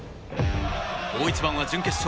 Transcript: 大一番は準決勝。